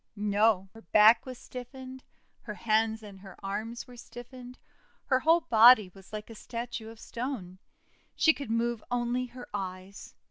No! Her back was stiffened; her hands and her arms were stiffened; her whole body was like a statue of stone. She could move only her eyes.